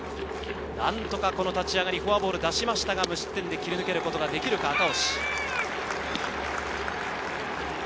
何とか立ち上がりフォアボールを出しましたが、無失点で切り抜けることができるか？